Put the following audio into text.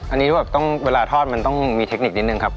อันนี้ต้องเวลาทอดต้องมีเทคนิคนิกนิดนึงครับ